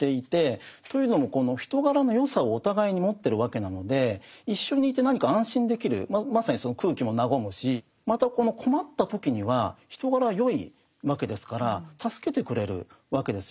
というのもこの人柄の善さをお互いに持ってるわけなので一緒にいて何か安心できるまさにその空気も和むしまたこの困った時には人柄は善いわけですから助けてくれるわけですよね。